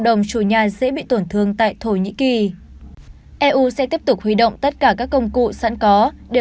đồng chủ nhà dễ bị tổn thương tại thổ nhĩ kỳ eu sẽ tiếp tục huy động tất cả các công cụ sẵn có đều